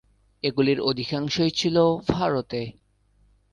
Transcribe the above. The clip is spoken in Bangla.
এগুলির অধিকাংশই ছিল ভারতে।